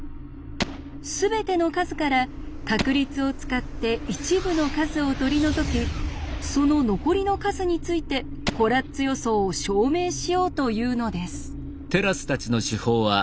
すべての数から確率を使って一部の数を取り除きその残りの数についてコラッツ予想を証明しようというのです。